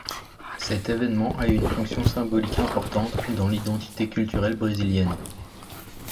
Cet événement a eu une fonction symbolique importante dans l'identité culturelle brésilienne.